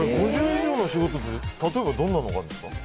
５０以上の仕事って例えばどんなのがあるんですか。